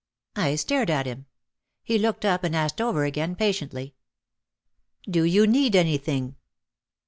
I stared at him. He looked up and asked over again, patiently, "Do you need anything?"